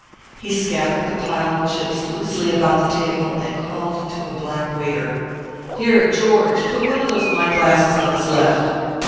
He scattered the piled chips loosely about the table, and called to a black waiter: "Here, George, put one of those wine glasses on his left."